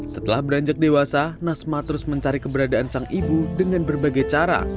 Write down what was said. setelah beranjak dewasa nasma terus mencari keberadaan sang ibu dengan berbagai cara